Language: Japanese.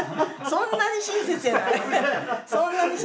そんなに親切じゃない。